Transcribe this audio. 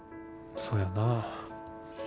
そやなぁ。